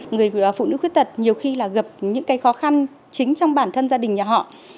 người phụ nữ khuyết tật nhiều khi là gặp những cái khó khăn chính trong bản thân gia đình nhà họ